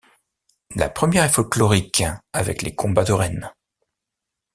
La première est folklorique avec les combats de reines.